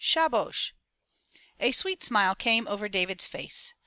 ''Shahhosr A sweet smile came over David's face.